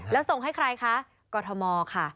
แล้วส่งให้ใครคะกรทมค่ะ